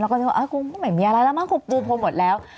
แล้วก็นึกว่ากูไม่มีอะไรแล้วมันพูดพูดหมดแล้ว